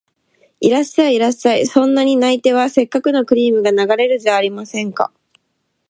いらっしゃい、いらっしゃい、そんなに泣いては折角のクリームが流れるじゃありませんか